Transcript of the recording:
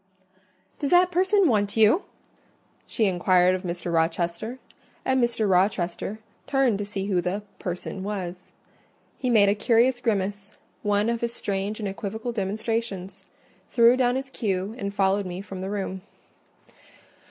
"Does that person want you?" she inquired of Mr. Rochester; and Mr. Rochester turned to see who the "person" was. He made a curious grimace—one of his strange and equivocal demonstrations—threw down his cue and followed me from the room.